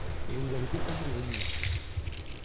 Je vous avais défendu de venir !